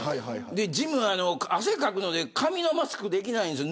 ジムは汗かくので紙のマスクできないんです。